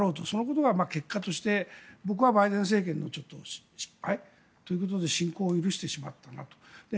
そのことが結果としてバイデン政権の失敗ということで侵攻を許してしまったなと。